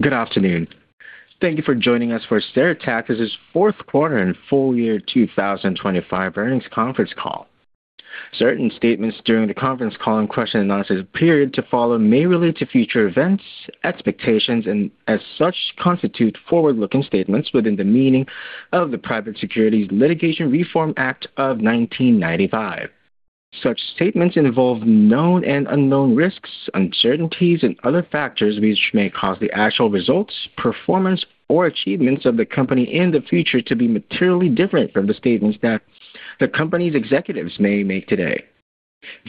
Good afternoon. Thank you for joining us for Stereotaxis's Fourth Quarter and Full Year 2025 Earnings Conference Call. Certain statements during the conference call and question and answer period to follow may relate to future events, expectations, and as such, constitute forward-looking statements within the meaning of the Private Securities Litigation Reform Act of 1995. Such statements involve known and unknown risks, uncertainties and other factors which may cause the actual results, performance or achievements of the company in the future to be materially different from the statements that the company's executives may make today.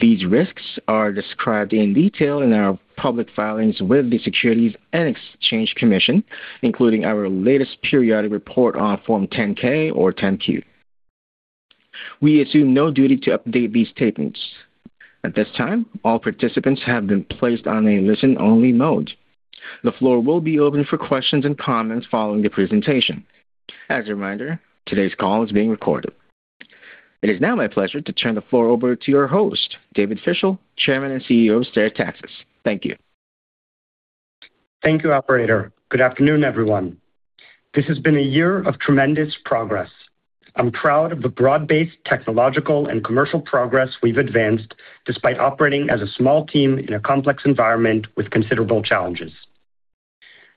These risks are described in detail in our public filings with the Securities and Exchange Commission, including our latest periodic report on Form 10-K or 10-Q. We assume no duty to update these statements. At this time, all participants have been placed on a listen-only mode. The floor will be open for questions and comments following the presentation. As a reminder, today's call is being recorded. It is now my pleasure to turn the floor over to your host, David Fischel, Chairman and CEO of Stereotaxis. Thank you. Thank you, operator. Good afternoon, everyone. This has been a year of tremendous progress. I'm proud of the broad-based technological and commercial progress we've advanced despite operating as a small team in a complex environment with considerable challenges.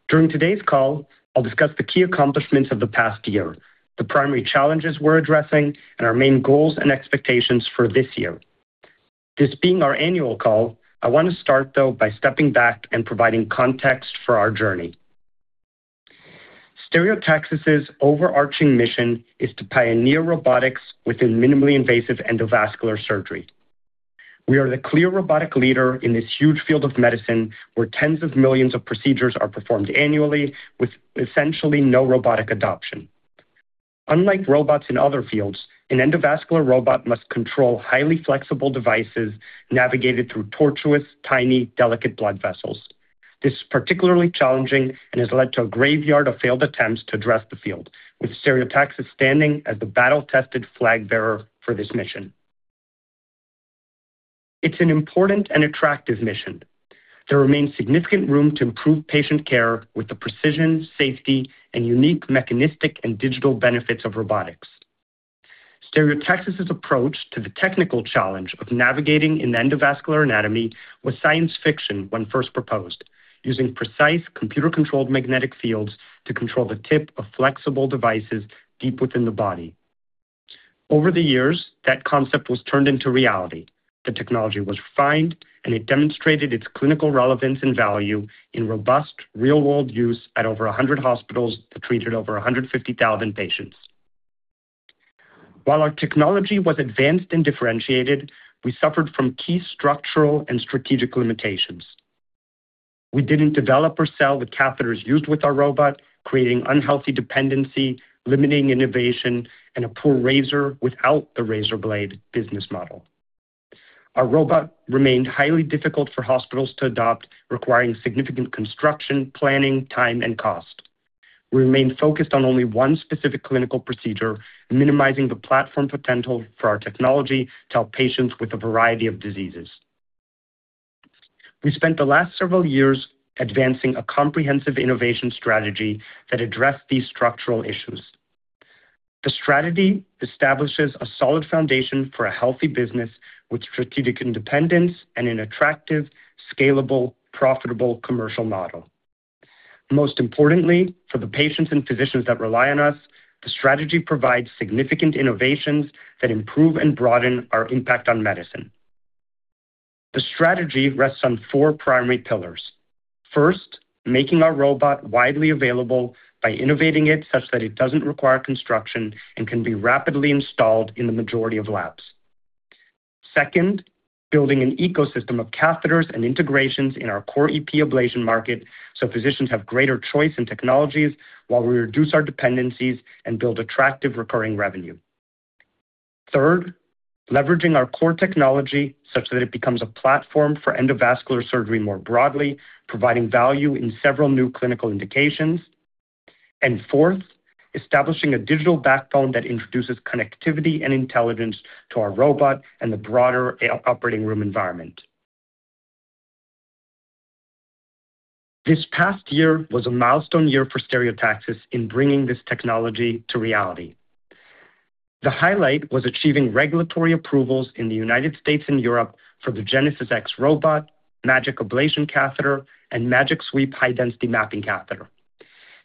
During today's call, I'll discuss the key accomplishments of the past year, the primary challenges we're addressing, and our main goals and expectations for this year. This being our annual call, I want to start, though, by stepping back and providing context for our journey. Stereotaxis' overarching mission is to pioneer robotics within minimally invasive endovascular surgery. We are the clear robotic leader in this huge field of medicine, where tens of millions of procedures are performed annually with essentially no robotic adoption. Unlike robots in other fields, an endovascular robot must control highly flexible devices navigated through tortuous, tiny, delicate blood vessels. This is particularly challenging and has led to a graveyard of failed attempts to address the field, with Stereotaxis standing as the battle-tested flag bearer for this mission. It's an important and attractive mission. There remains significant room to improve patient care with the precision, safety, and unique mechanistic and digital benefits of robotics. Stereotaxis' approach to the technical challenge of navigating in the endovascular anatomy was science fiction when first proposed, using precise computer-controlled magnetic fields to control the tip of flexible devices deep within the body. Over the years, that concept was turned into reality. The technology was refined, and it demonstrated its clinical relevance and value in robust real-world use at over 100 hospitals that treated over 150,000 patients. While our technology was advanced and differentiated, we suffered from key structural and strategic limitations. We didn't develop or sell the catheters used with our robot, creating unhealthy dependency, limiting innovation, and a poor razor without the razor blade business model. Our robot remained highly difficult for hospitals to adopt, requiring significant construction, planning, time, and cost. We remained focused on only one specific clinical procedure, minimizing the platform potential for our technology to help patients with a variety of diseases. We spent the last several years advancing a comprehensive innovation strategy that addressed these structural issues. The strategy establishes a solid foundation for a healthy business with strategic independence and an attractive, scalable, profitable commercial model. Most importantly, for the patients and physicians that rely on us, the strategy provides significant innovations that improve and broaden our impact on medicine. The strategy rests on four primary pillars. First, making our robot widely available by innovating it such that it doesn't require construction and can be rapidly installed in the majority of labs. Second, building an ecosystem of catheters and integrations in our core EP ablation market so physicians have greater choice in technologies while we reduce our dependencies and build attractive recurring revenue. Third, leveraging our core technology such that it becomes a platform for endovascular surgery more broadly, providing value in several new clinical indications. Fourth, establishing a digital backbone that introduces connectivity and intelligence to our robot and the broader operating room environment. This past year was a milestone year for Stereotaxis in bringing this technology to reality. The highlight was achieving regulatory approvals in the United States and Europe for the GenesisX robot, MAGiC ablation catheter, and MAGiC Sweep high-density mapping catheter.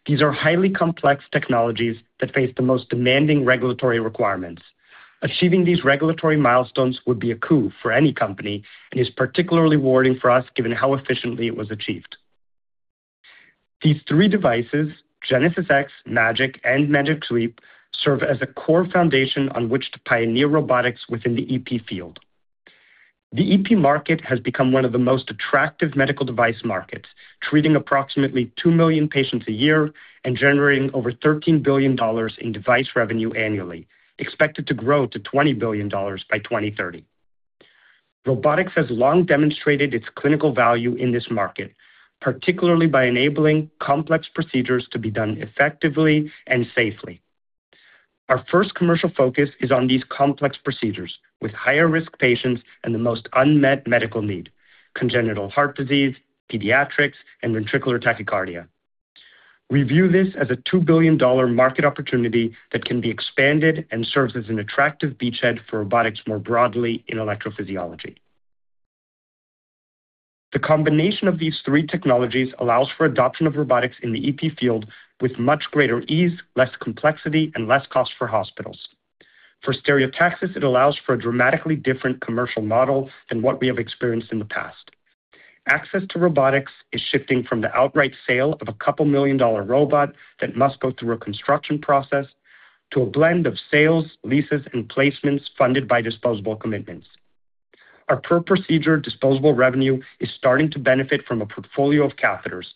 These are highly complex technologies that face the most demanding regulatory requirements. Achieving these regulatory milestones would be a coup for any company and is particularly rewarding for us given how efficiently it was achieved. These three devices, GenesisX, MAGiC, and MAGiC Sweep, serve as a core foundation on which to pioneer robotics within the EP field. The EP market has become one of the most attractive medical device markets, treating approximately 2 million patients a year and generating over $13 billion in device revenue annually, expected to grow to $20 billion by 2030. Robotics has long demonstrated its clinical value in this market, particularly by enabling complex procedures to be done effectively and safely. Our first commercial focus is on these complex procedures with higher-risk patients and the most unmet medical need: congenital heart disease, pediatrics, and ventricular tachycardia. We view this as a $2 billion market opportunity that can be expanded and serves as an attractive beachhead for robotics more broadly in electrophysiology. The combination of these three technologies allows for adoption of robotics in the EP field with much greater ease, less complexity, and less cost for hospitals. For Stereotaxis, it allows for a dramatically different commercial model than what we have experienced in the past. Access to robotics is shifting from the outright sale of a couple million-dollar robot that must go through a construction process to a blend of sales, leases, and placements funded by disposable commitments. Our per-procedure disposable revenue is starting to benefit from a portfolio of catheters,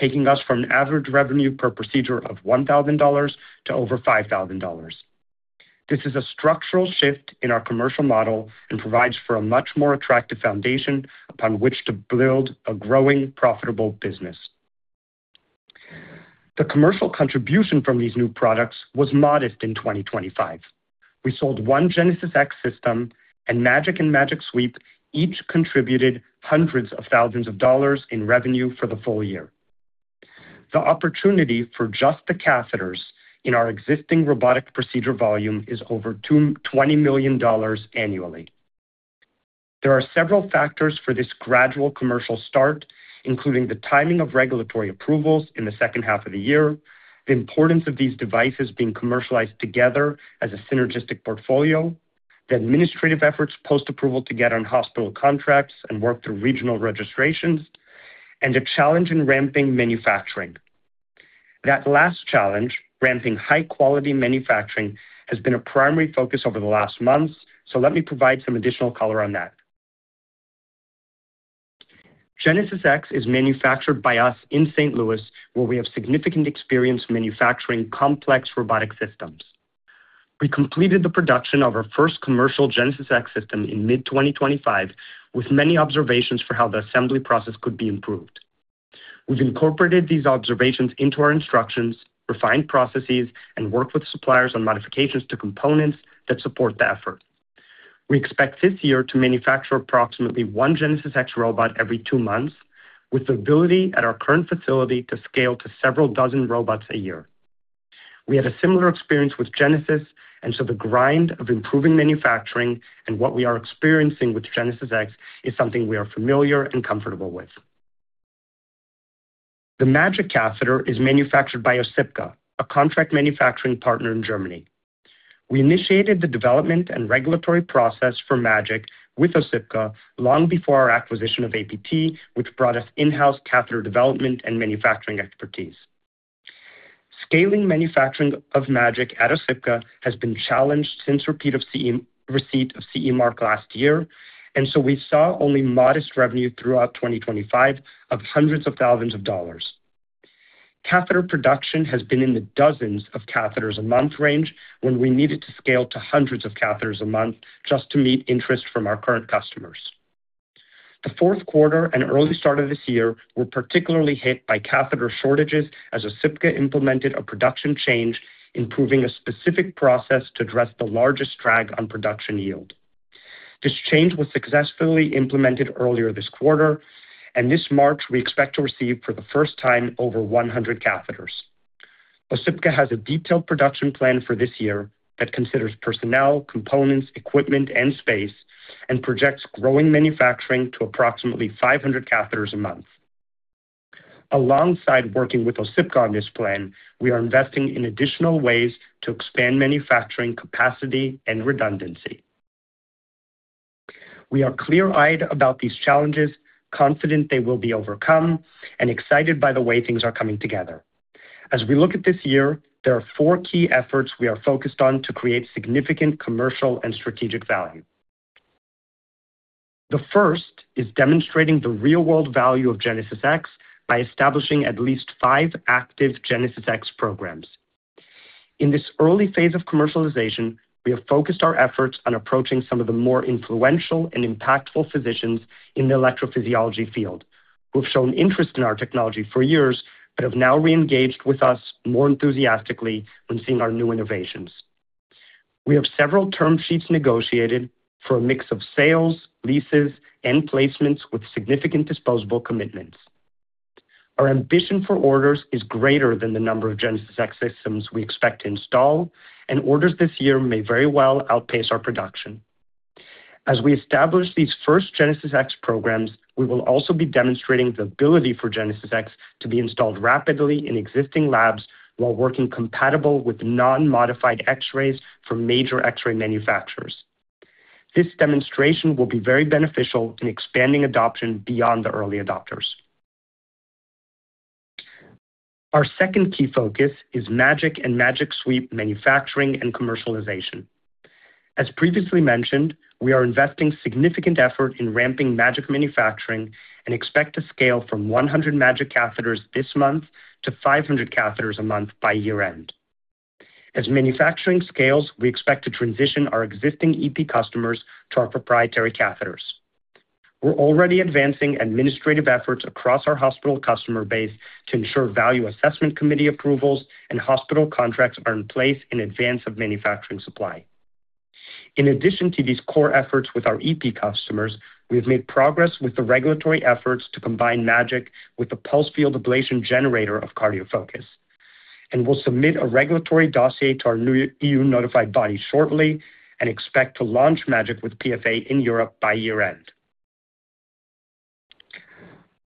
taking us from an average revenue per procedure of $1,000 to over $5,000. This is a structural shift in our commercial model and provides for a much more attractive foundation upon which to build a growing, profitable business. The commercial contribution from these new products was modest in 2025. We sold one GenesisX system, and MAGiC and MAGiC Sweep each contributed hundreds of thousands of dollars in revenue for the full year. The opportunity for just the catheters in our existing robotic procedure volume is over $20 million annually. There are several factors for this gradual commercial start, including the timing of regulatory approvals in the second half of the year, the importance of these devices being commercialized together as a synergistic portfolio, the administrative efforts post-approval to get on hospital contracts and work through regional registrations, and a challenge in ramping manufacturing. That last challenge, ramping high-quality manufacturing, has been a primary focus over the last months. Let me provide some additional color on that. GenesisX is manufactured by us in St. Louis, where we have significant experience manufacturing complex robotic systems. We completed the production of our first commercial GenesisX system in mid-2025, with many observations for how the assembly process could be improved. We've incorporated these observations into our instructions, refined processes, and worked with suppliers on modifications to components that support the effort. We expect this year to manufacture approximately one GenesisX robot every two months, with the ability at our current facility to scale to several dozen robots a year. We had a similar experience with Genesis, the grind of improving manufacturing and what we are experiencing with GenesisX is something we are familiar and comfortable with. The MAGiC catheter is manufactured by Osypka, a contract manufacturing partner in Germany. We initiated the development and regulatory process for MAGiC with Osypka long before our acquisition of APT, which brought us in-house catheter development and manufacturing expertise. Scaling manufacturing of MAGiC at Osypka has been challenged since receipt of CE mark last year. We saw only modest revenue throughout 2025 of hundreds of thousands of dollars. Catheter production has been in the dozens of catheters a month range when we needed to scale to hundreds of catheters a month just to meet interest from our current customers. The fourth quarter and early start of this year were particularly hit by catheter shortages as Osypka implemented a production change, improving a specific process to address the largest drag on production yield. This change was successfully implemented earlier this quarter. This March, we expect to receive for the first time over 100 catheters. Osypka has a detailed production plan for this year that considers personnel, components, equipment, and space, and projects growing manufacturing to approximately 500 catheters a month. Alongside working with Osypka on this plan, we are investing in additional ways to expand manufacturing capacity and redundancy. We are clear-eyed about these challenges, confident they will be overcome, and excited by the way things are coming together. As we look at this year, there are four key efforts we are focused on to create significant commercial and strategic value. The first is demonstrating the real-world value of GenesisX by establishing at least five active GenesisX programs. In this early phase of commercialization, we have focused our efforts on approaching some of the more influential and impactful physicians in the electrophysiology field who have shown interest in our technology for years but have now re-engaged with us more enthusiastically when seeing our new innovations. We have several term sheets negotiated for a mix of sales, leases, and placements with significant disposable commitments. Our ambition for orders is greater than the number of GenesisX systems we expect to install, and orders this year may very well outpace our production. As we establish these first GenesisX programs, we will also be demonstrating the ability for GenesisX to be installed rapidly in existing labs while working compatible with non-modified X-rays from major X-ray manufacturers. This demonstration will be very beneficial in expanding adoption beyond the early adopters. Our second key focus is MAGiC and MAGiC Sweep manufacturing and commercialization. As previously mentioned, we are investing significant effort in ramping MAGiC manufacturing and expect to scale from 100 MAGiC catheters this month to 500 catheters a month by year-end. As manufacturing scales, we expect to transition our existing EP customers to our proprietary catheters. We're already advancing administrative efforts across our hospital customer base to ensure value assessment committee approvals and hospital contracts are in place in advance of manufacturing supply. In addition to these core efforts with our EP customers, we have made progress with the regulatory efforts to combine MAGiC with the pulsed field ablation generator of CardioFocus. We'll submit a regulatory dossier to our new EU notified body shortly and expect to launch MAGiC with PFA in Europe by year-end.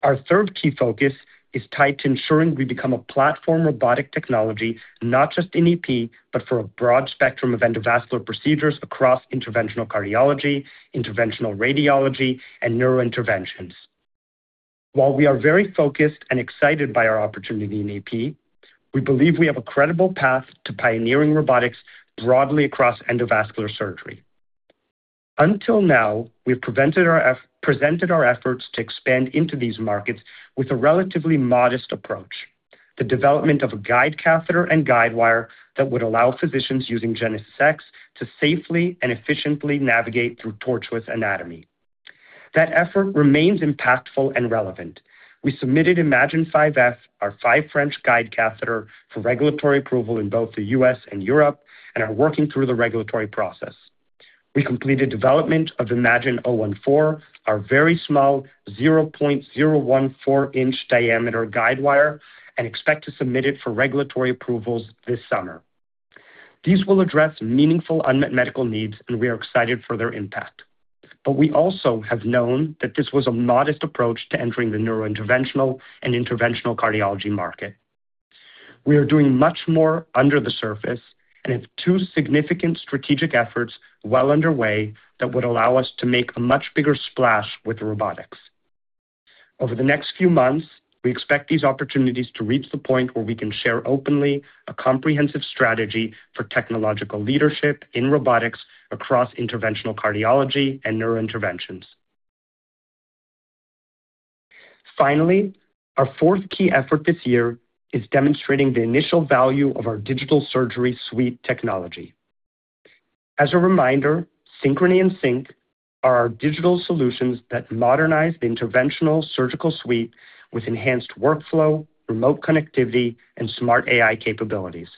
Our third key focus is tied to ensuring we become a platform robotic technology, not just in EP, but for a broad spectrum of endovascular procedures across interventional cardiology, interventional radiology, and neurointerventions. While we are very focused and excited by our opportunity in EP, we believe we have a credible path to pioneering robotics broadly across endovascular surgery. Until now, we've presented our efforts to expand into these markets with a relatively modest approach, the development of a guide catheter and guide wire that would allow physicians using GenesisX to safely and efficiently navigate through tortuous anatomy. That effort remains impactful and relevant. We submitted EMAGIN 5F, our five French guide catheter, for regulatory approval in both the U.S. and Europe and are working through the regulatory process. We completed development of EMAGIN 014, our very small 0.014-inch diameter guide wire, and expect to submit it for regulatory approvals this summer. These will address meaningful unmet medical needs, and we are excited for their impact. We also have known that this was a modest approach to entering the neurointerventional and interventional cardiology market. We are doing much more under the surface and have two significant strategic efforts well underway that would allow us to make a much bigger splash with robotics. Over the next few months, we expect these opportunities to reach the point where we can share openly a comprehensive strategy for technological leadership in robotics across interventional cardiology and neurointerventions. Finally, our fourth key effort this year is demonstrating the initial value of our digital surgery suite technology. As a reminder, Synchrony and SynX are our digital solutions that modernize the interventional surgical suite with enhanced workflow, remote connectivity, and smart AI capabilities.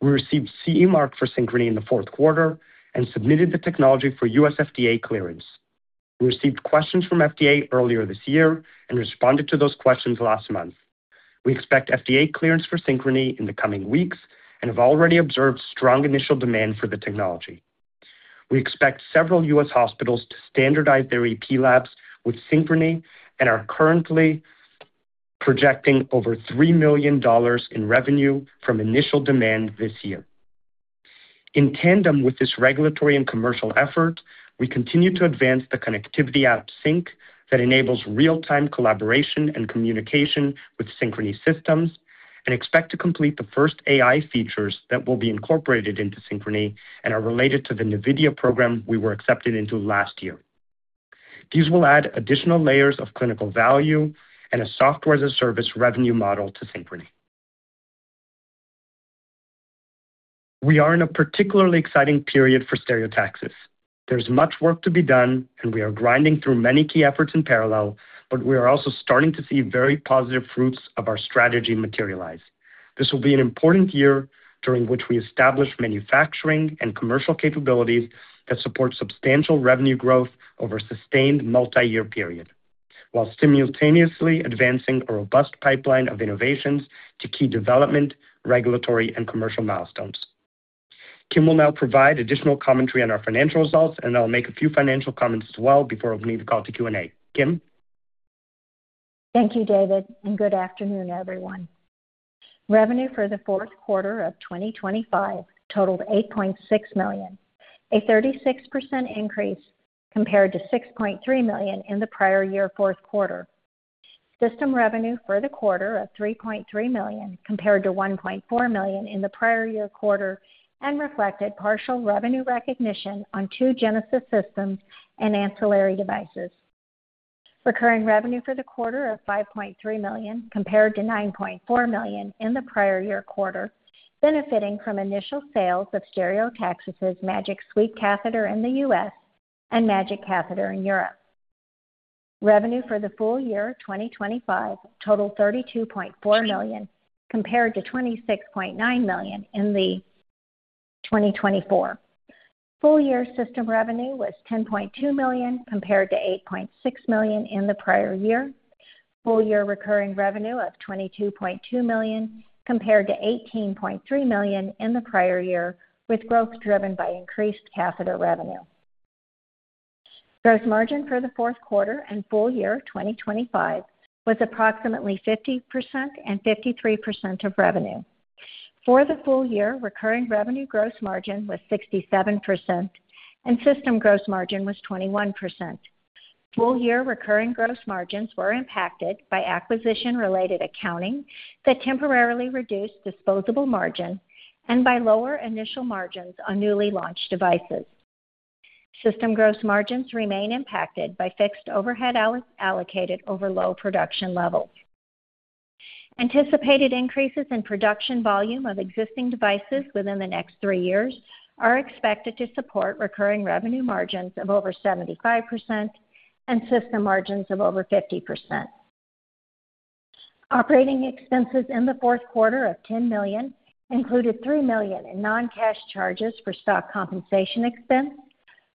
We received CE mark for Synchrony in the fourth quarter and submitted the technology for U.S. FDA clearance. We received questions from FDA earlier this year and responded to those questions last month. We expect FDA clearance for Synchrony in the coming weeks and have already observed strong initial demand for the technology. We expect several U.S. hospitals to standardize their EP labs with Synchrony and are currently projecting over $3 million in revenue from initial demand this year. In tandem with this regulatory and commercial effort, we continue to advance the connectivity app SynX that enables real-time collaboration and communication with Synchrony systems and expect to complete the first AI features that will be incorporated into Synchrony and are related to the NVIDIA program we were accepted into last year. These will add additional layers of clinical value and a software-as-a-service revenue model to Synchrony. We are in a particularly exciting period for Stereotaxis. There's much work to be done, and we are grinding through many key efforts in parallel, but we are also starting to see very positive fruits of our strategy materialize. This will be an important year during which we establish manufacturing and commercial capabilities that support substantial revenue growth over a sustained multi-year period while simultaneously advancing a robust pipeline of innovations to key development, regulatory, and commercial milestones. Kim will now provide additional commentary on our financial results, and I'll make a few financial comments as well before opening the call to Q&A. Kim? Thank you, David. Good afternoon, everyone. Revenue for the fourth quarter of 2025 totaled $8.6 million, a 36% increase compared to $6.3 million in the prior year fourth quarter. System revenue for the quarter of $3.3 million compared to $1.4 million in the prior year quarter and reflected partial revenue recognition on two Genesis systems and ancillary devices. Recurring revenue for the quarter of $5.3 million compared to $9.4 million in the prior year quarter, benefiting from initial sales of Stereotaxis's MAGiC Sweep catheter in the U.S. and MAGiC catheter in Europe. Revenue for the full year 2025 totaled $32.4 million compared to $26.9 million in 2024. Full year system revenue was $10.2 million compared to $8.6 million in the prior year. Full year recurring revenue of $22.2 million compared to $18.3 million in the prior year, with growth driven by increased catheter revenue. Gross margin for the fourth quarter and full year 2025 was approximately 50% and 53% of revenue. For the full year, recurring revenue gross margin was 67%, and system gross margin was 21%. Full year recurring gross margins were impacted by acquisition-related accounting that temporarily reduced disposable margin and by lower initial margins on newly launched devices. System gross margins remain impacted by fixed overhead allocated over low production levels. Anticipated increases in production volume of existing devices within the next three years are expected to support recurring revenue margins of over 75% and system margins of over 50%. Operating expenses in the fourth quarter of $10 million included $3 million in non-cash charges for stock compensation expense,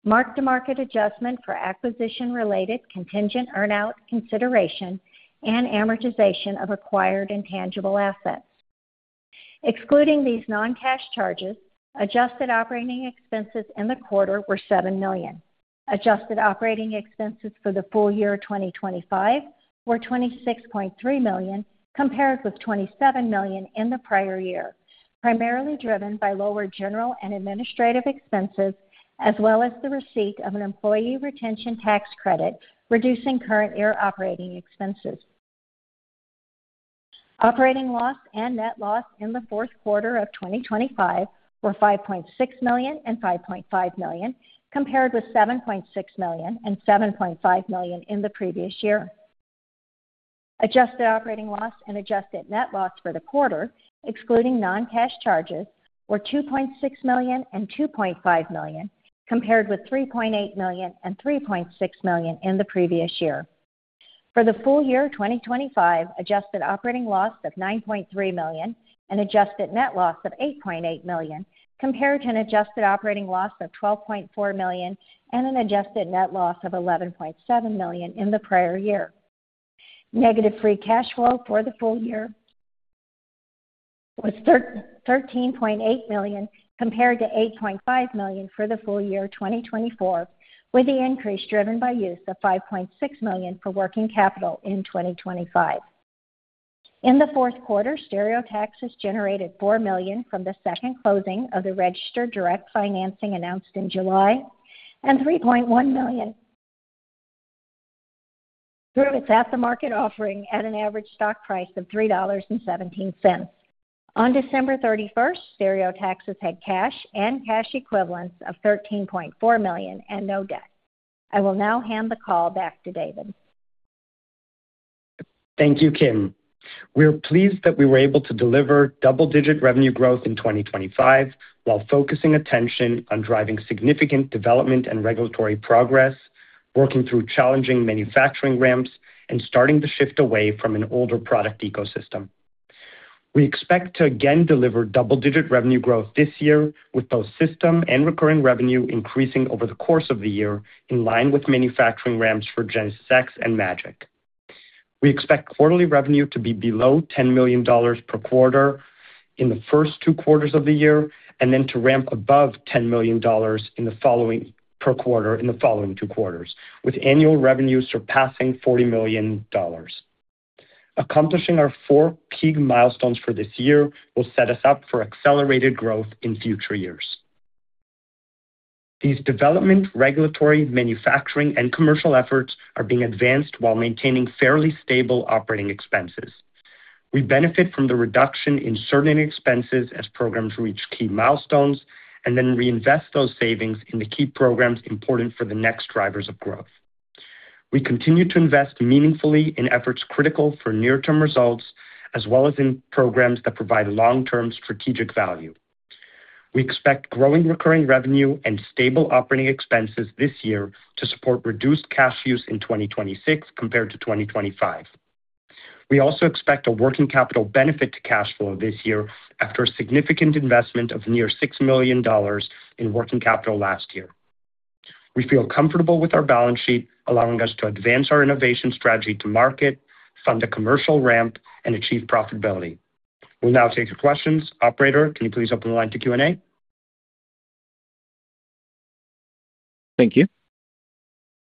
mark-to-market adjustment for acquisition-related contingent earn-out consideration, and amortization of acquired intangible assets. Excluding these non-cash charges, adjusted operating expenses in the quarter were $7 million. Adjusted operating expenses for the full year 2025 were $26.3 million, compared with $27 million in the prior year, primarily driven by lower general and administrative expenses, as well as the receipt of an Employee Retention Tax Credit, reducing current year operating expenses. Operating loss and net loss in the fourth quarter of 2025 were $5.6 million and $5.5 million, compared with $7.6 million and $7.5 million in the previous year. Adjusted operating loss and adjusted net loss for the quarter, excluding non-cash charges, were $2.6 million and $2.5 million, compared with $3.8 million and $3.6 million in the previous year. For the full year 2025, adjusted operating loss of $9.3 million and adjusted net loss of $8.8 million, compared to an adjusted operating loss of $12.4 million and an adjusted net loss of $11.7 million in the prior year. Negative free cash flow for the full year was $13.8 million compared to $8.5 million for the full year 2024, with the increase driven by use of $5.6 million for working capital in 2025. In the fourth quarter, Stereotaxis generated $4 million from the second closing of the registered direct financing announced in July and $3.1 million through its at-the-market offering at an average stock price of $3.17. On December 31st, Stereotaxis had cash and cash equivalents of $13.4 million and no debt. I will now hand the call back to David. Thank you, Kim. We're pleased that we were able to deliver double-digit revenue growth in 2025 while focusing attention on driving significant development and regulatory progress, working through challenging manufacturing ramps, and starting to shift away from an older product ecosystem. We expect to again deliver double-digit revenue growth this year, with both system and recurring revenue increasing over the course of the year in line with manufacturing ramps for GenesisX and MAGiC. We expect quarterly revenue to be below $10 million per quarter in the first two quarters of the year and then to ramp above $10 million in the following two quarters, with annual revenue surpassing $40 million. Accomplishing our four key milestones for this year will set us up for accelerated growth in future years. These development, regulatory, manufacturing, and commercial efforts are being advanced while maintaining fairly stable operating expenses. We benefit from the reduction in certain expenses as programs reach key milestones and then reinvest those savings into key programs important for the next drivers of growth. We continue to invest meaningfully in efforts critical for near-term results as well as in programs that provide long-term strategic value. We expect growing recurring revenue and stable operating expenses this year to support reduced cash use in 2026 compared to 2025. We also expect a working capital benefit to cash flow this year after a significant investment of near $6 million in working capital last year. We feel comfortable with our balance sheet allowing us to advance our innovation strategy to market, fund a commercial ramp, and achieve profitability. We'll now take your questions. Operator, can you please open the line to Q&A? Thank you.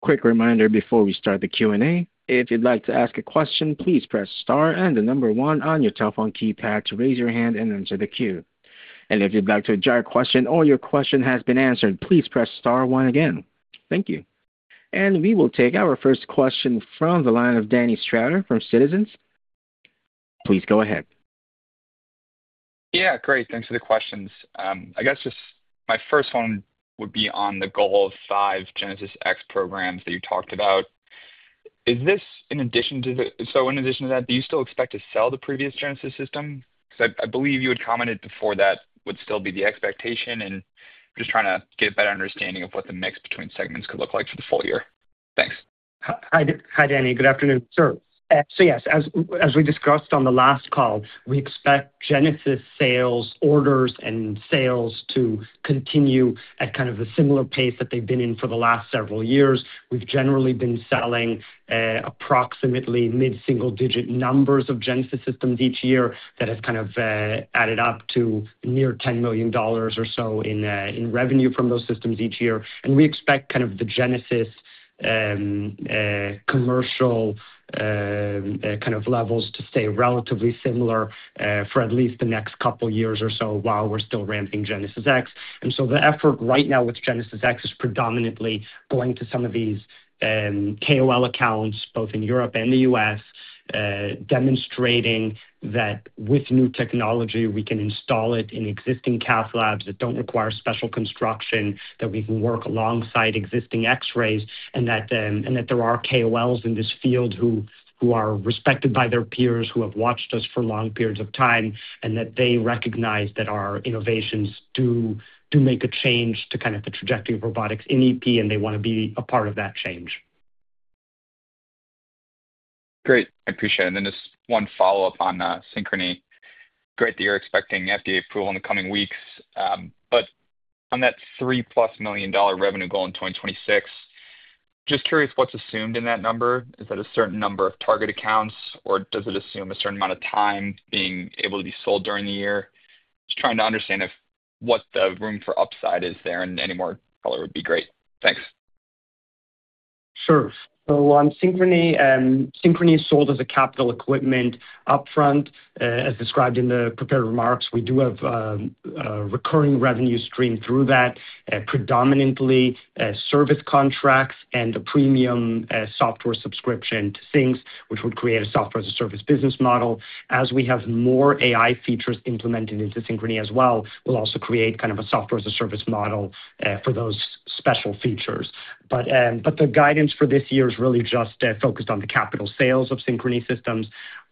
Quick reminder before we start the Q&A. If you'd like to ask a question, please press star and the number one on your telephone keypad to raise your hand and enter the queue. If you'd like to withdraw your question or your question has been answered, please press star one again. Thank you. We will take our first question from the line of Daniel Stauder from Citizens. Please go ahead. Yeah, great. Thanks for the questions. I guess just my first one would be on the goal of five GenesisX programs that you talked about. Is this in addition to that, do you still expect to sell the previous Genesis system? Cause I believe you had commented before that would still be the expectation, and I'm just trying to get a better understanding of what the mix between segments could look like for the full year. Thanks. Hi, Danny. Good afternoon. Sure. Yes, as we discussed on the last call, we expect Genesis sales orders and sales to continue at kind of a similar pace that they've been in for the last several years. We've generally been selling approximately mid-single digit numbers of Genesis systems each year. That has kind of added up to near $10 million or so in revenue from those systems each year. We expect kind of the Genesis commercial kind of levels to stay relatively similar for at least the next couple years or so while we're still ramping GenesisX. The effort right now with GenesisX is predominantly going to some of these KOL accounts both in Europe and the U.S., demonstrating that with new technology, we can install it in existing cath labs that don't require special construction, that we can work alongside existing X-rays, and that there are KOLs in this field who are respected by their peers, who have watched us for long periods of time, and that they recognize that our innovations do make a change to kind of the trajectory of robotics in EP, and they wanna be a part of that change. Great. I appreciate it. Just one follow-up on Synchrony. Great that you're expecting FDA approval in the coming weeks. On that $3 million+ revenue goal in 2026, just curious what's assumed in that number. Is that a certain number of target accounts, or does it assume a certain amount of time being able to be sold during the year? Just trying to understand what the room for upside is there, and any more color would be great? Thanks. Sure. On Synchrony is sold as a capital equipment upfront, as described in the prepared remarks. We do have recurring revenue stream through that, predominantly service contracts and a premium software-as-a-service subscription to things which would create a software-as-a-service business model. As we have more AI features implemented into Synchrony as well, we'll also create kind of a software-as-a-service model for those special features. The guidance for this year is really just focused on the capital sales of Synchrony systems.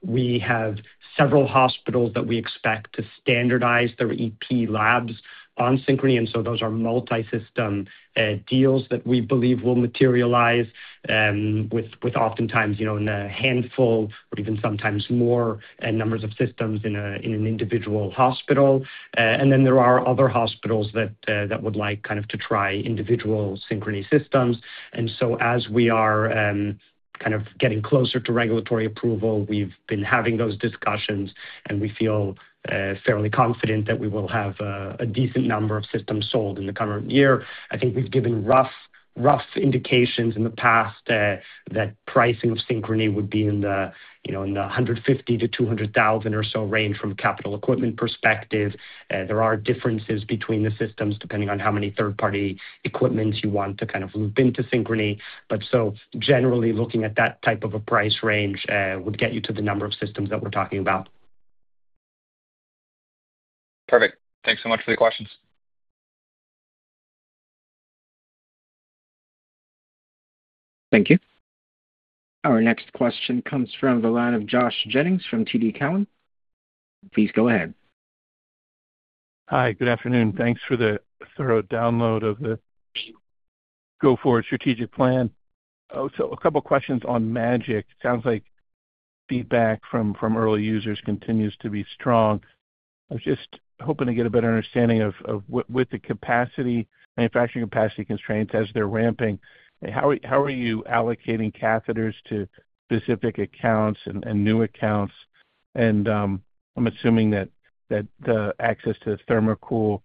We have several hospitals that we expect to standardize their EP labs on Synchrony, and so those are multi-system deals that we believe will materialize with oftentimes, you know, in a handful or even sometimes more numbers of systems in an individual hospital. Then there are other hospitals that would like kind of to try individual Synchrony systems. As we are kind of getting closer to regulatory approval, we've been having those discussions, and we feel fairly confident that we will have a decent number of systems sold in the current year. I think we've given rough indications in the past that pricing of Synchrony would be in the, you know, in the $150,000-$200,000 or so range from a capital equipment perspective. There are differences between the systems depending on how many third-party equipments you want to kind of loop into Synchrony. Generally looking at that type of a price range would get you to the number of systems that we're talking about. Perfect. Thanks so much for the questions. Thank you. Our next question comes from the line of Josh Jennings from TD Cowen. Please go ahead. Hi. Good afternoon. Thanks for the thorough download of the go-forward strategic plan. A couple questions on MAGiC. Sounds like feedback from early users continues to be strong. I was just hoping to get a better understanding of with the capacity, manufacturing capacity constraints as they're ramping, how are you allocating catheters to specific accounts and new accounts? I'm assuming that the access to THERMOCOOL,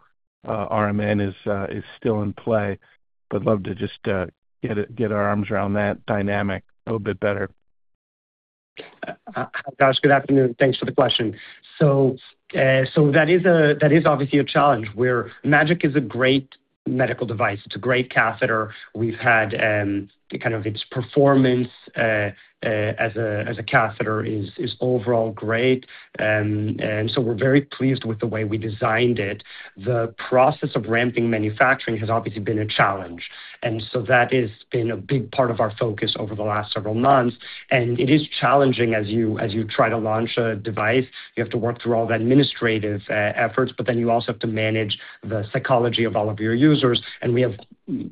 RMN is still in play. Love to just get our arms around that dynamic a little bit better. Josh, good afternoon. Thanks for the question. That is obviously a challenge, where MAGiC is a great medical device. It's a great catheter. We've had kind of its performance as a catheter is overall great. We're very pleased with the way we designed it. The process of ramping manufacturing has obviously been a challenge. That has been a big part of our focus over the last several months. It is challenging as you try to launch a device. You have to work through all the administrative efforts. You also have to manage the psychology of all of your users. We have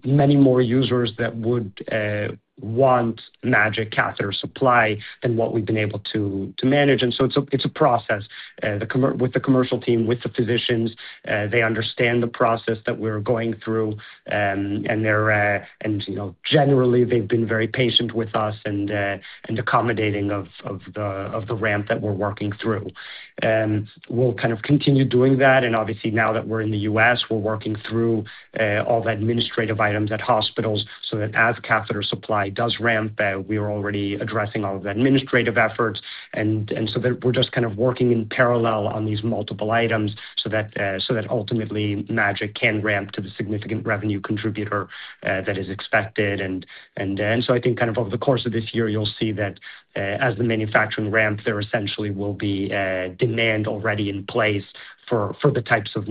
many more users that would want MAGiC catheter supply than what we've been able to manage. It's a process with the commercial team, with the physicians. They understand the process that we're going through, and they're, and, you know, generally, they've been very patient with us and accommodating of the ramp that we're working through. We'll kind of continue doing that, and obviously now that we're in the U.S., we're working through all the administrative items at hospitals so that as catheter supply does ramp, we are already addressing all of the administrative efforts. We're just kind of working in parallel on these multiple items so that ultimately MAGiC can ramp to the significant revenue contributor that is expected. I think kind of over the course of this year, you'll see that, as the manufacturing ramps, there essentially will be demand already in place for the types of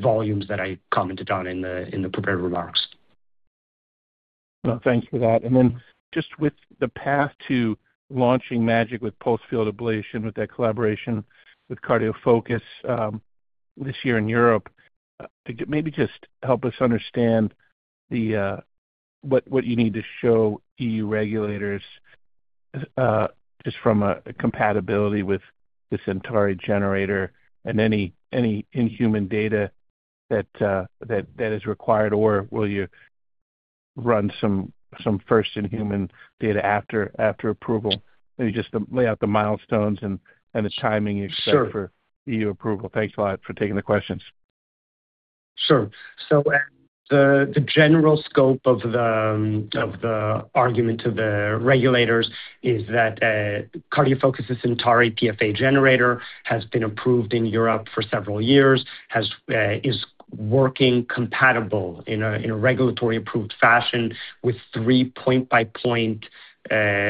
volumes that I commented on in the prepared remarks. Well, thanks for that. Just with the path to launching MAGiC with pulsed field ablation, with that collaboration with CardioFocus, this year in Europe, maybe just help us understand the what you need to show E.U. regulators, just from a compatibility with the Centauri generator and any in-human data that is required, or will you run some first in-human data after approval? Maybe just lay out the milestones and the timing you expect for E.U. approval. Thanks a lot for taking the questions. Sure. The general scope of the argument to the regulators is that CardioFocus' Centauri PFA generator has been approved in Europe for several years, has is working compatible in a regulatory approved fashion with three point by point RF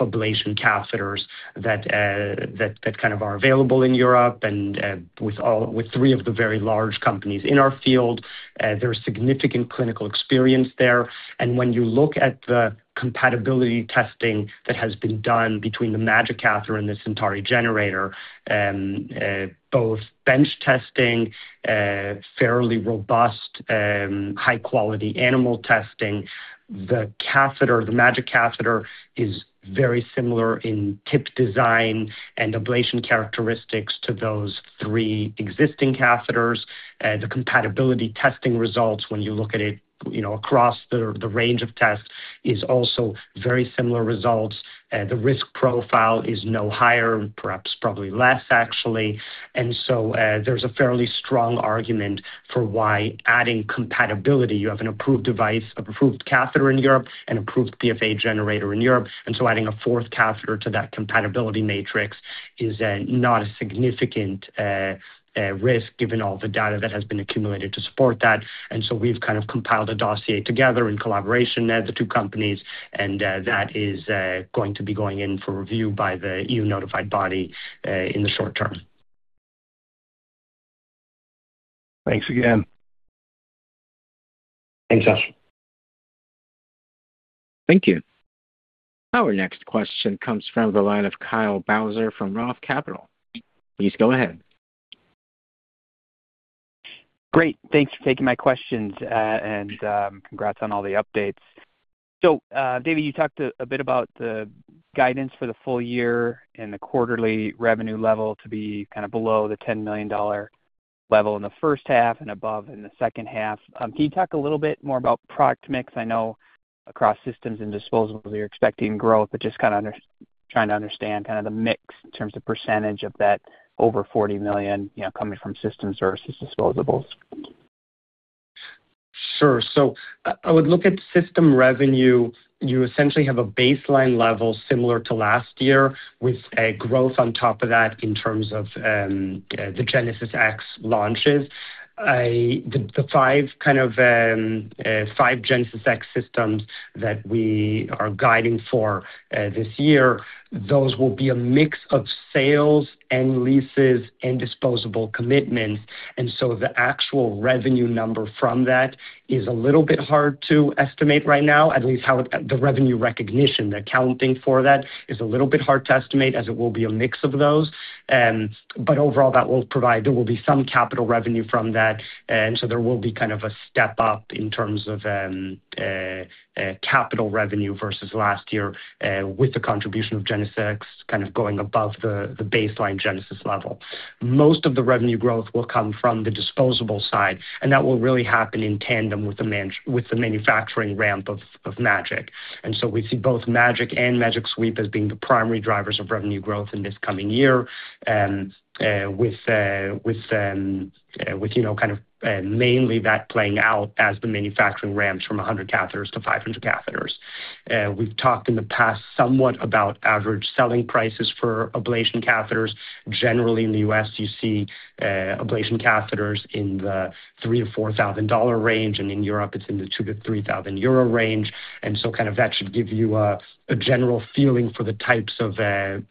ablation catheters that kind of are available in Europe and with three of the very large companies in our field. There's significant clinical experience there. When you look at the compatibility testing that has been done between the MAGiC catheter and the Centauri generator, both bench testing, fairly robust, high quality animal testing. The MAGiC catheter is very similar in tip design and ablation characteristics to those three existing catheters. The compatibility testing results when you look at it, you know, across the range of tests is also very similar results. The risk profile is no higher, perhaps probably less actually. There's a fairly strong argument for why adding compatibility. You have an approved device, approved catheter in Europe, an approved PFA generator in Europe, adding a fourth catheter to that compatibility matrix is not a significant risk given all the data that has been accumulated to support that. We've kind of compiled a dossier together in collaboration, the two companies, and that is going to be going in for review by the E.U. notified body in the short term. Thanks again. Thanks, Josh. Thank you. Our next question comes from the line of Kyle Bauser from ROTH Capital. Please go ahead. Great. Thanks for taking my questions. Congrats on all the updates. David, you talked a bit about the guidance for the full year and the quarterly revenue level to be kind of below the $10 million level in the first half and above in the second half. Can you talk a little bit more about product mix? I know across systems and disposables you're expecting growth, but just kinda trying to understand kind of the mix in terms of percentage of that over $40 million, you know, coming from system services disposables. Sure. I would look at system revenue. You essentially have a baseline level similar to last year with a growth on top of that in terms of the GenesisX launches. The five GenesisX systems that we are guiding for this year, those will be a mix of sales and leases and disposable commitments. The actual revenue number from that is a little bit hard to estimate right now. At least how the revenue recognition, the accounting for that is a little bit hard to estimate as it will be a mix of those. Overall, that will provide-- There will be some capital revenue from that, there will be kind of a step up in terms of capital revenue versus last year, with the contribution of GenesisX kind of going above the baseline Genesis level. Most of the revenue growth will come from the disposable side, and that will really happen in tandem with the manufacturing ramp of MAGiC. We see both MAGiC and MAGiC Sweep as being the primary drivers of revenue growth in this coming year. With, you know, kind of, mainly that playing out as the manufacturing ramps from 100 catheters to 500 catheters. We've talked in the past somewhat about average selling prices for ablation catheters. Generally, in the U.S., you see ablation catheters in the $3,000-$4,000 range, and in Europe it's in the 2,000-3,000 euro range. kind of that should give you a general feeling for the types of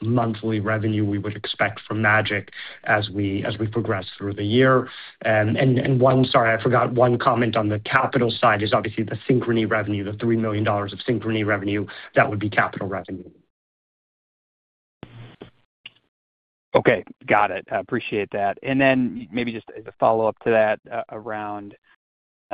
monthly revenue we would expect from MAGEC as we progress through the year. Sorry, I forgot one comment on the capital side is obviously the Synchrony revenue, the $3 million of Synchrony revenue, that would be capital revenue. Okay. Got it. I appreciate that. Then maybe just as a follow-up to that, around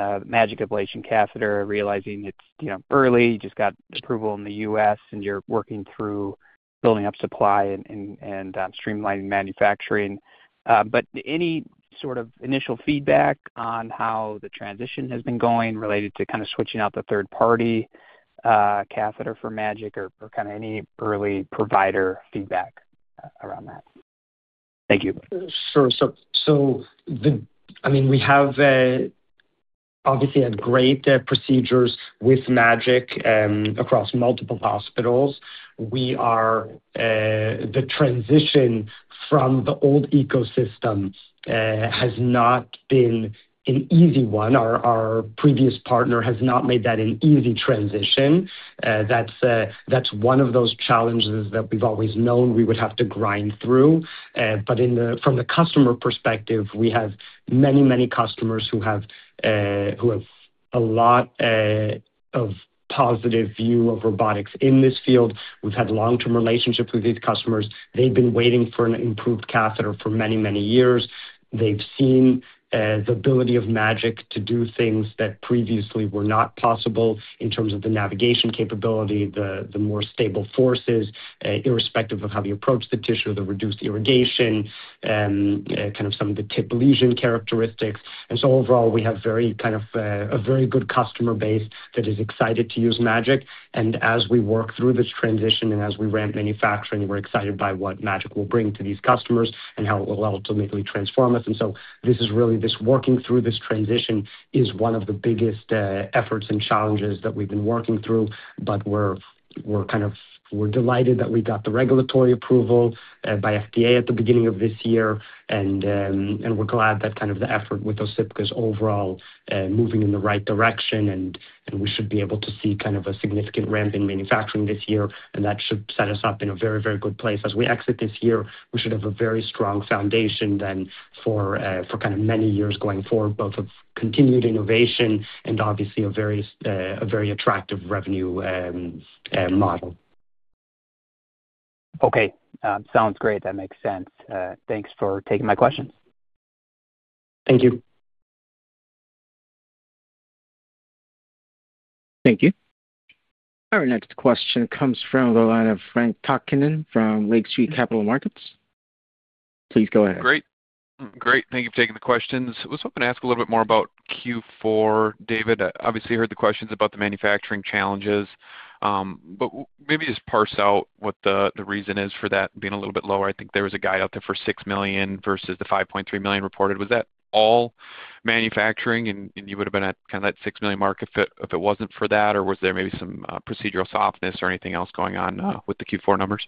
MAGiC ablation catheter, realizing it's, you know, early, you just got approval in the U.S. and you're working through building up supply and streamlining manufacturing. But any sort of initial feedback on how the transition has been going related to kind of switching out the third party, catheter for MAGiC or kinda any early provider feedback around that? Thank you. Sure. I mean, we have obviously had great procedures with MAGiC across multiple hospitals. We are the transition from the old ecosystem has not been an easy one. Our previous partner has not made that an easy transition. That's one of those challenges that we've always known we would have to grind through. From the customer perspective, we have many, many customers who have a lot of positive view of robotics in this field. We've had long-term relationships with these customers. They've been waiting for an improved catheter for many, many years. They've seen the ability of MAGiC to do things that previously were not possible in terms of the navigation capability, the more stable forces, irrespective of how you approach the tissue, the reduced irrigation, kind of some of the tip lesion characteristics. Overall, we have very kind of a very good customer base that is excited to use MAGiC. As we work through this transition and as we ramp manufacturing, we're excited by what MAGiC will bring to these customers and how it will ultimately transform us. This is really, this working through this transition is one of the biggest efforts and challenges that we've been working through, but we're delighted that we got the regulatory approval by FDA at the beginning of this year. We're glad that kind of the effort with those Osypka's overall moving in the right direction. We should be able to see kind of a significant ramp in manufacturing this year. That should set us up in a very, very good place. As we exit this year, we should have a very strong foundation then for kind of many years going forward, both of continued innovation and obviously a very attractive revenue model. Okay. sounds great. That makes sense. thanks for taking my questions. Thank you. Thank you. Our next question comes from the line of Frank Takkinen from Lake Street Capital Markets. Please go ahead. Great. Great. Thank you for taking the questions. I was hoping to ask a little bit more about Q4. David, obviously, you heard the questions about the manufacturing challenges. but maybe just parse out what the reason is for that being a little bit lower. I think there was a guy out there for $6 million versus the $5.3 million reported. Was that all manufacturing and you would have been at kinda that $6 million mark if it, if it wasn't for that? Or was there maybe some procedural softness or anything else going on with the Q4 numbers?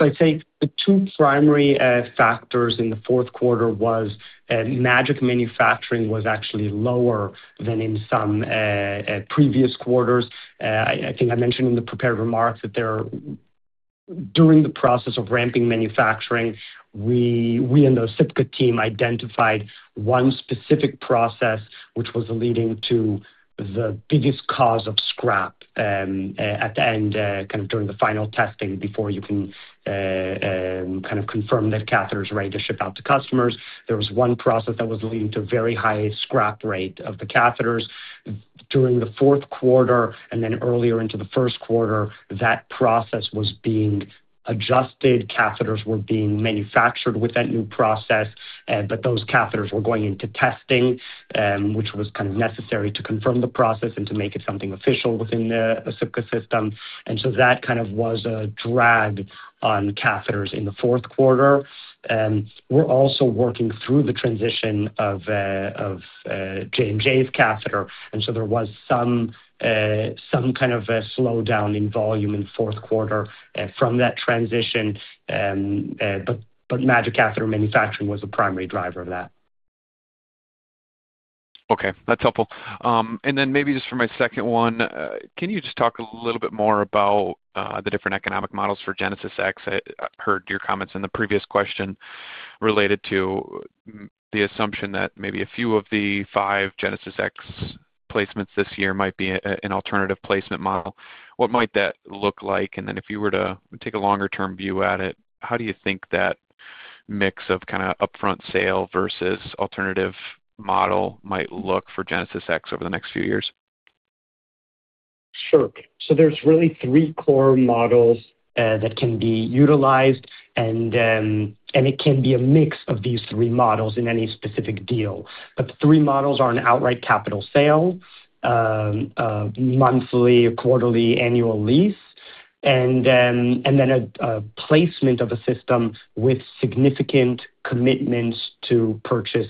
I'd say the two primary factors in the fourth quarter was MAGiC manufacturing was actually lower than in some previous quarters. I think I mentioned in the prepared remarks that during the process of ramping manufacturing, we and the Osypka team identified one specific process which was leading to the biggest cause of scrap at the end, during the final testing before you can confirm that catheter is ready to ship out to customers. There was one process that was leading to very high scrap rate of the catheters. During the fourth quarter and then earlier into the first quarter, that process was being adjusted. Catheters were being manufactured with that new process. Those catheters were going into testing, which was kind of necessary to confirm the process and to make it something official within the Osypka system. That kind of was a drag on catheters in the fourth quarter. We're also working through the transition of J&J's catheter, and so there was some kind of a slowdown in volume in fourth quarter from that transition. MAGiC catheter manufacturing was the primary driver of that. Okay. That's helpful. Maybe just for my second one, can you just talk a little bit more about the different economic models for GenesisX? I heard your comments in the previous question related to the assumption that maybe a few of the five GenesisX placements this year might be an alternative placement model. What might that look like? If you were to take a longer term view at it, how do you think that mix of kind of upfront sale versus alternative model might look for GenesisX over the next few years? Sure. There's really three core models that can be utilized, and it can be a mix of these three models in any specific deal. The three models are an outright capital sale, monthly or quarterly annual lease, and then a placement of a system with significant commitments to purchase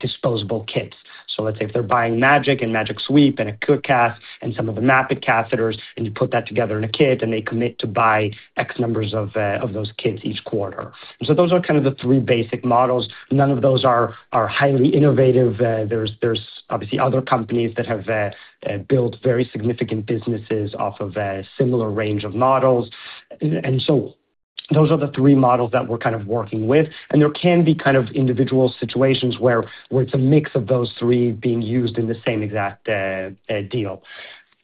disposable kits. Let's say if they're buying MAGiC and MAGiC Sweep and a Cook Cat and some of the Map-iT Catheters, and you put that together in a kit, and they commit to buy X numbers of those kits each quarter. Those are kind of the three basic models. None of those are highly innovative. There's obviously other companies that have built very significant businesses off of a similar range of models. Those are the three models that we're kind of working with. There can be kind of individual situations where it's a mix of those three being used in the same exact deal.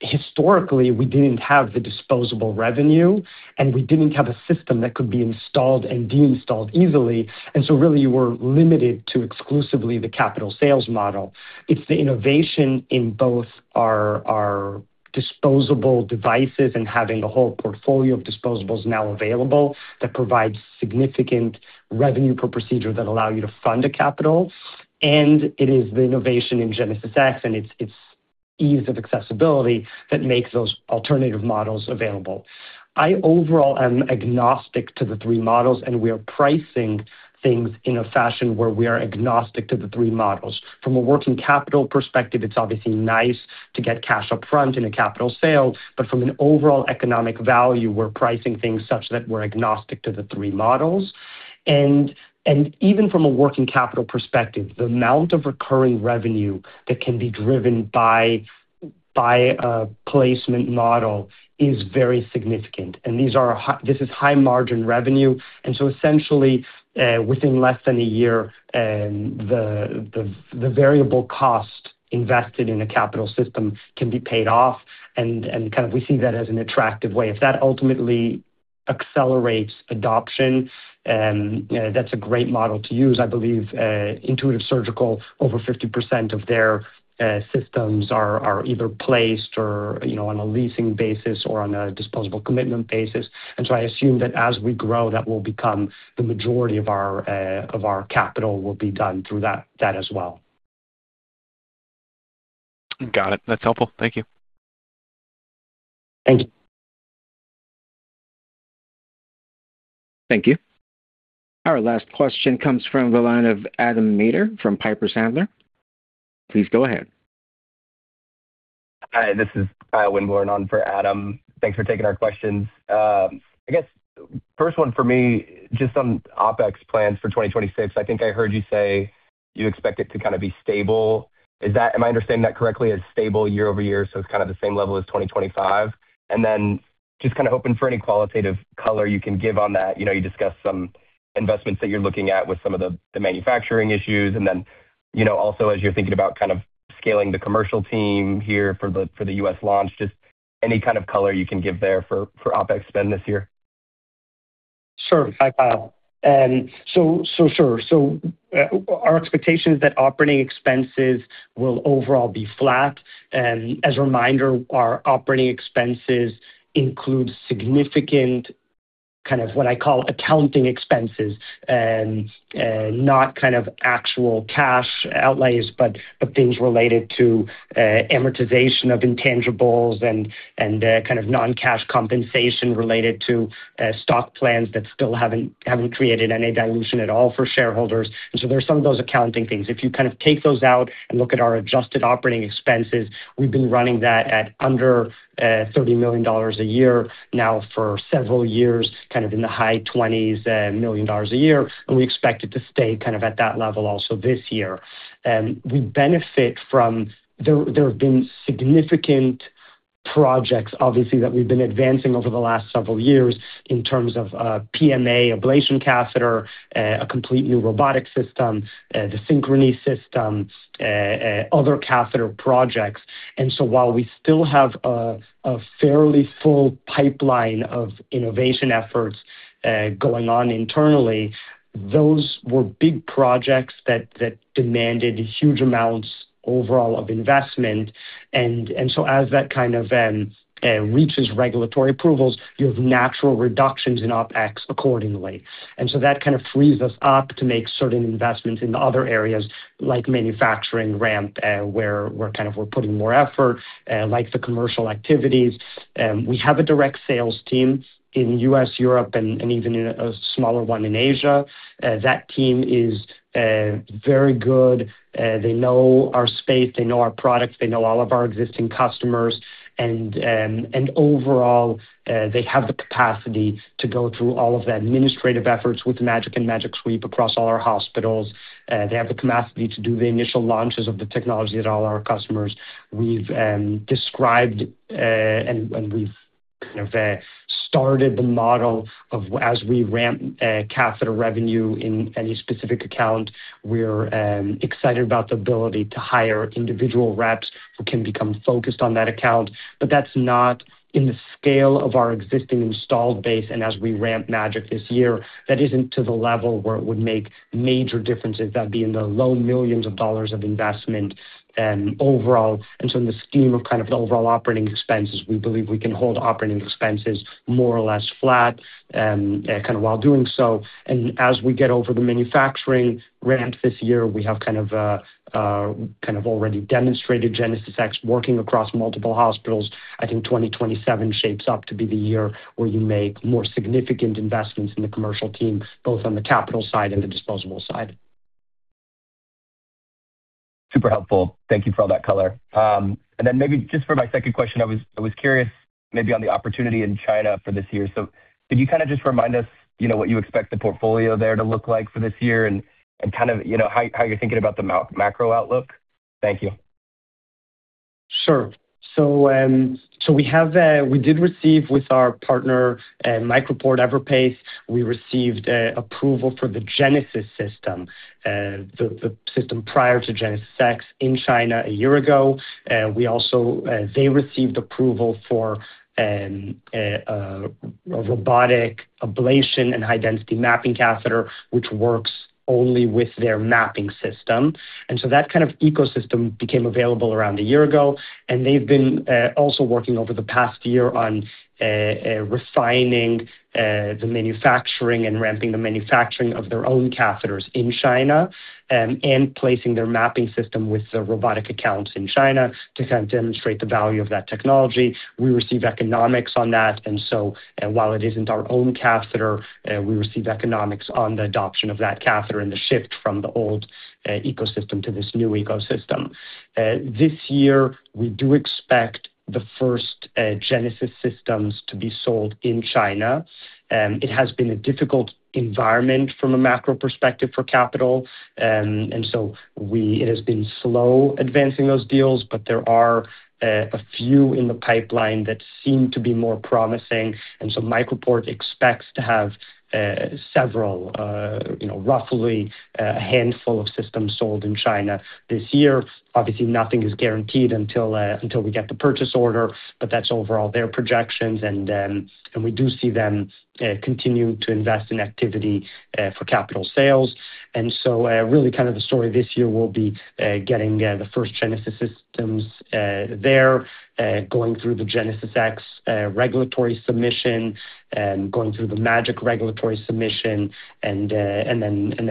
Historically, we didn't have the disposable revenue, and we didn't have a system that could be installed and deinstalled easily. Really, you were limited to exclusively the capital sales model. It's the innovation in both our disposable devices and having the whole portfolio of disposables now available that provides significant revenue per procedure that allow you to fund a capital. It is the innovation in GenesisX, and it's ease of accessibility that makes those alternative models available. I overall am agnostic to the three models, and we are pricing things in a fashion where we are agnostic to the three models. From a working capital perspective, it's obviously nice to get cash up front in a capital sale, but from an overall economic value, we're pricing things such that we're agnostic to the three models. Even from a working capital perspective, the amount of recurring revenue that can be driven by a placement model is very significant. These are high margin revenue. Essentially, within less than a year, the variable cost invested in a capital system can be paid off. Kind of we see that as an attractive way. If that ultimately accelerates adoption, you know, that's a great model to use. I believe Intuitive Surgical, over 50% of their systems are either placed or, you know, on a leasing basis or on a disposable commitment basis. I assume that as we grow, that will become the majority of our of our capital will be done through that as well. Got it. That's helpful. Thank you. Thank you. Thank you. Our last question comes from the line of Adam Maeder from Piper Sandler. Please go ahead. Hi, this is Kyle Winborn on for Adam. Thanks for taking our questions. I guess first one for me, just on OpEx plans for 2026. I think I heard you say you expect it to kind of be stable. Am I understanding that correctly, as stable year-over-year, so it's kind of the same level as 2025? Just kinda hoping for any qualitative color you can give on that. You know, you discussed some investments that you're looking at with some of the manufacturing issues and then, you know, also as you're thinking about kind of scaling the commercial team here for the U.S. launch, just any kind of color you can give there for OpEx spend this year. Sure. Our expectation is that operating expenses will overall be flat. As a reminder, our operating expenses include significant, kind of what I call accounting expenses, not kind of actual cash outlays, but things related to amortization of intangibles and kind of non-cash compensation related to stock plans that still haven't created any dilution at all for shareholders. There's some of those accounting things. If you kind of take those out and look at our adjusted operating expenses, we've been running that at under $30 million a year now for several years, kind of in the high $20 million a year, and we expect it to stay kind of at that level also this year. We benefit from. There have been significant projects obviously that we've been advancing over the last several years in terms of PMA ablation catheter, a complete new robotic system, the Synchrony system, other catheter projects. While we still have a fairly full pipeline of innovation efforts going on internally, those were big projects that demanded huge amounts overall of investment. As that kind of reaches regulatory approvals, you have natural reductions in OpEx accordingly. That kind of frees us up to make certain investments in other areas like manufacturing ramp, where we're putting more effort, like the commercial activities. We have a direct sales team in U.S., Europe, and even a smaller one in Asia. That team is very good. They know our space, they know our products, they know all of our existing customers. Overall, they have the capacity to go through all of the administrative efforts with the MAGiC and MAGiC Sweep across all our hospitals. They have the capacity to do the initial launches of the technology at all our customers. We've described, and we've kind of started the model of as we ramp catheter revenue in any specific account. We're excited about the ability to hire individual reps who can become focused on that account. That's not in the scale of our existing installed base, and as we ramp MAGiC this year, that isn't to the level where it would make major differences. That'd be in the low millions of dollars of investment overall. In the scheme of kind of the overall operating expenses, we believe we can hold operating expenses more or less flat, kind of while doing so. As we get over the manufacturing ramp this year, we have kind of already demonstrated GenesisX working across multiple hospitals. I think 2027 shapes up to be the year where you make more significant investments in the commercial team, both on the capital side and the disposable side. Super helpful. Thank you for all that color. Maybe just for my second question, I was curious maybe on the opportunity in China for this year. Could you kind of just remind us, you know, what you expect the portfolio there to look like for this year and kind of, you know, how you're thinking about the macro outlook? Thank you. Sure. We did receive with our partner, MicroPort EP. We received approval for the Genesis system, the system prior to GenesisX in China a year ago. We also, they received approval for a robotic ablation and high-density mapping catheter, which works only with their mapping system. That kind of ecosystem became available around a year ago, and they've been also working over the past year on refining the manufacturing and ramping the manufacturing of their own catheters in China, and placing their mapping system with the robotic accounts in China to kind of demonstrate the value of that technology. We receive economics on that. While it isn't our own catheter, we receive economics on the adoption of that catheter and the shift from the old ecosystem to this new ecosystem. This year, we do expect the first Genesis systems to be sold in China. It has been a difficult environment from a macro perspective for capital. It has been slow advancing those deals, but there are a few in the pipeline that seem to be more promising. MicroPort expects to have several, you know, roughly a handful of systems sold in China this year. Obviously, nothing is guaranteed until we get the purchase order, but that's overall their projections. We do see them continue to invest in activity for capital sales. Really kind of the story this year will be getting the first Genesis systems there, going through the GenesisX regulatory submission and going through the MAGiC regulatory submission, and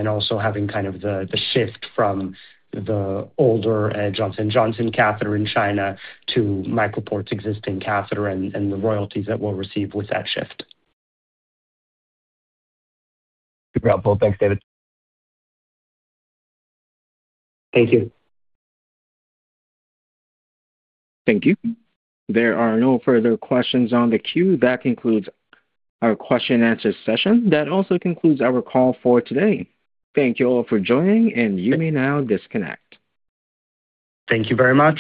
also having kind of the shift from the older Johnson & Johnson catheter in China to MicroPort's existing catheter and the royalties that we'll receive with that shift. Super helpful. Thanks, David. Thank you. Thank you. There are no further questions on the queue. That concludes our question and answer session. That also concludes our call for today. Thank you all for joining, and you may now disconnect. Thank you very much.